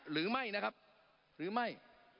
หรือไม่นะครับหรือไม่